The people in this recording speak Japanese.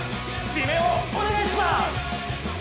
締めをお願いします！